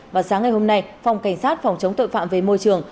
và sáng ngày hôm nay phòng cảnh sát phòng chống tội phạm về môi trường